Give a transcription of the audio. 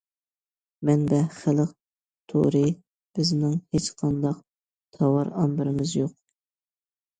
مەنبە: خەلق تورى بىزنىڭ ھېچقانداق تاۋار ئامبىرىمىز يوق.